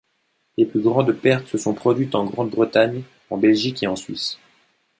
Les plus grandes pertes se sont produites en Grande-Bretagne, en Belgique et en Suisse.